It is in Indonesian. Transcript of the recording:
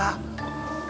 terus mami teringat